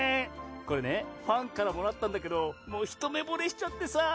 これねファンからもらったんだけどもうひとめぼれしちゃってさぁ！